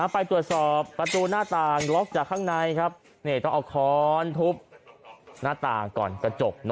ไปตรวจสอบประตูหน้าต่างล็อกจากข้างในต้องเอาค้อนทุบหน้าต่างก่อนกระจก